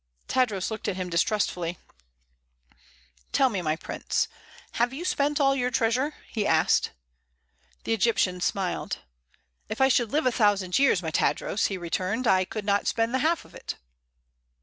Tadros looked at him distrustfully. "Tell me, my prince; have you spent all your treasure?" he asked. The Egyptian smiled. "If I should live a thousand years, my Tadros," he returned, "I could not spend the half of it."